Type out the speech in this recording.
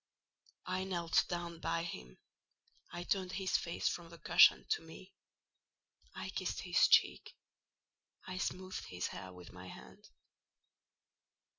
I knelt down by him; I turned his face from the cushion to me; I kissed his cheek; I smoothed his hair with my hand.